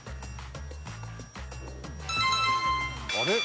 ［あれ？］